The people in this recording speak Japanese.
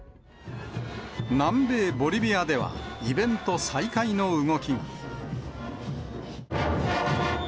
南米ボリビアでは、イベント再開の動きが。